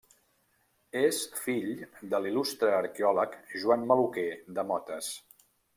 És fill de l'il·lustre arqueòleg Joan Maluquer de Motes.